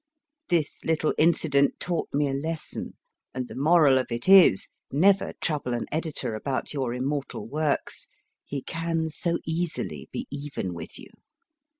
This little incident taught me a lesson, and the moral of it is : never trouble an editor about your immortal works ; he can so easily be even with you.